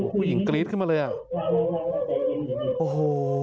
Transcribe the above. ผู้หญิงกรี๊ดขึ้นมาเลยอ่ะโอ้โห